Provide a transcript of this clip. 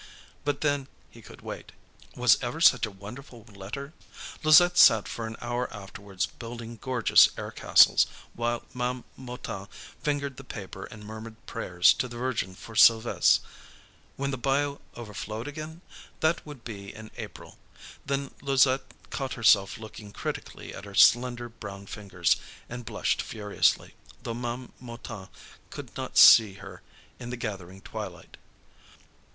But then, he could wait. Was ever such a wonderful letter? Louisette sat for an hour afterwards building gorgeous air castles, while Ma'am Mouton fingered the paper and murmured prayers to the Virgin for Sylves'. When the bayou overflowed again? That would be in April. Then Louisette caught herself looking critically at her slender brown fingers, and blushed furiously, though Ma'am Mouton could not see her in the gathering twilight.